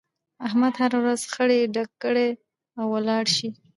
احمد هر ورځ خړی ډک کړي او ولاړ شي.